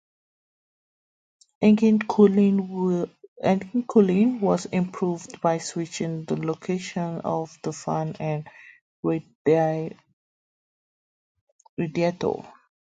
Engine cooling was improved by switching the locations of the fan and radiator.